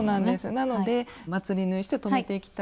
なのでまつり縫いして留めていきたいと思います。